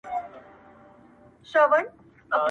جهاني به پر لکړه پر کوڅو د جانان ګرځي٫